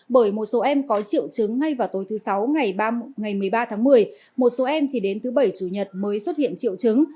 bởi một số em có triệu chứng ngay vào tối thứ sáu ngày một mươi ba tháng một mươi một số em thì đến thứ bảy chủ nhật mới xuất hiện triệu chứng